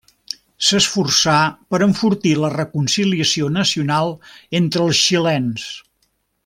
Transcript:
S'esforçà per enfortir la reconciliació nacional entre els xilens.